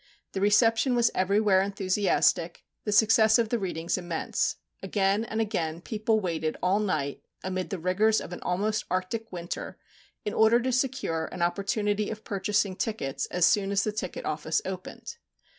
The reception was everywhere enthusiastic, the success of the readings immense. Again and again people waited all night, amid the rigours of an almost arctic winter, in order to secure an opportunity of purchasing tickets as soon as the ticket office opened.